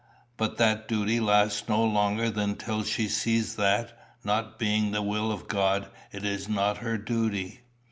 But that duty lasts no longer than till she sees that, not being the will of God, it is not her duty.